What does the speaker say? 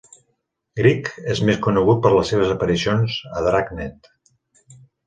Gregg es més conegut per les seves aparicions a "Dragnet".